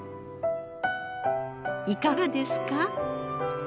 いかがですか？